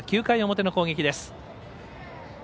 ９回表の攻撃です。